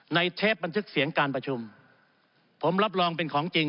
เทปบันทึกเสียงการประชุมผมรับรองเป็นของจริง